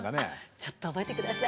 ちょっと覚えて下さい。